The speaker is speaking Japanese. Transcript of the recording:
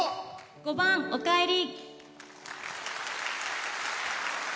５番「おかえり」。